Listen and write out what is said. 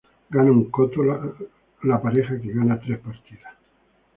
Gana un Coto la pareja que gana tres Partidas.